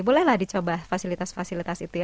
bolehlah dicoba fasilitas fasilitas itu ya